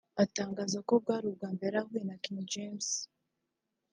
atangaza ko bwari ubwa mbere yari ahuye na King James